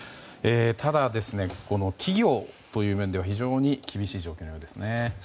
ただ、企業という面では非常に厳しいですね。